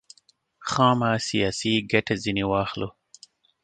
خامه سیاسي ګټه ځنې واخلو.